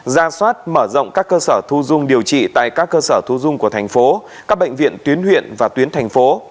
ra soát mở rộng các cơ sở thu dung điều trị tại các cơ sở thu dung của thành phố các bệnh viện tuyến huyện và tuyến thành phố